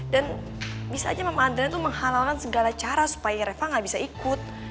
dan bisa aja mama adriana tuh menghalalkan segala cara supaya reva gak bisa ikut